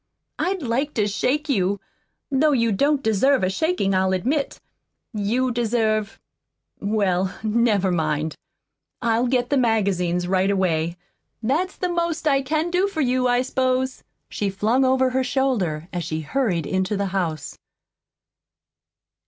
"I'd like to shake you though you don't deserve a shakin', I'll admit. You deserve well, never mind. I'll get the magazines right away. That's the most I CAN do for you, I s'pose," she flung over her shoulder, as she hurried into the house.